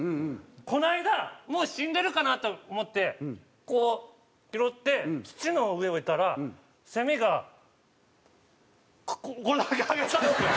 この間もう死んでるかなって思ってこう拾って土の上置いたらセミがこんな上げたんですよ！